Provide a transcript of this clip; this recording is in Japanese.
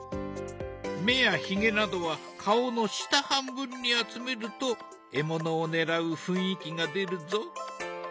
目やひげなどは顔の下半分に集めると獲物を狙う雰囲気が出るぞ。